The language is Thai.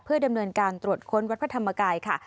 ดำเนินการตรวจค้นวัดพระธรรมกายค่ะ